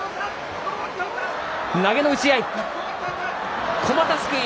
投げの打ち合い。